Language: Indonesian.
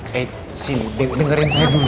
hei si dek dengerin saya dulu